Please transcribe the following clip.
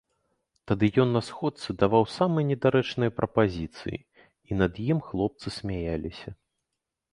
Тады ён на сходцы даваў самыя недарэчныя прапазіцыі і над ім хлопцы смяяліся.